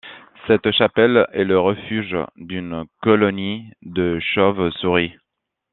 Cette chapelle est le refuge d'une colonie de chauve-souris.